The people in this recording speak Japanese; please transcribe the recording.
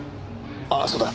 ああそうだ。